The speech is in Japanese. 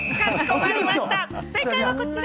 正解はこちら。